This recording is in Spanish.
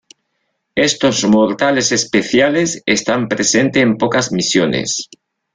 Estos mortales "especiales" están presentes en pocas misiones.